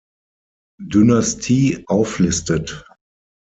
Dynastie auflistet.